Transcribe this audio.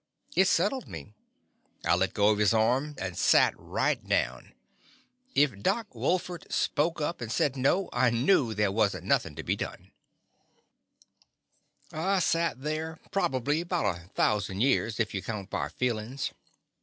It settled me. I let go of his arm and sat right down. If Doc Wolfert spoke The Confessions of a Daddy up and said "No" I knew there was n't nothing to be done. I sat there probably about a thou sand years, if you count by feelin's.